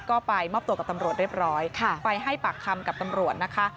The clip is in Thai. ก็ไปมอบตัวกับตำรวจเรียบร้อยไปให้ปากคำกับตำรวจนะคะ